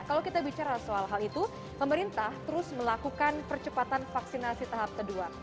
kalau kita bicara soal hal itu pemerintah terus melakukan percepatan vaksinasi tahap kedua